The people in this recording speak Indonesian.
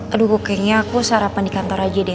aduh bookingnya aku sarapan di kantor aja deh